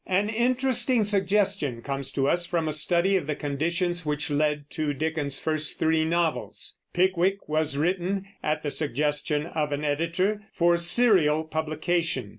An interesting suggestion comes to us from a study of the conditions which led to Dickens's first three novels. Pickwick was written, at the suggestion of an editor, for serial publication.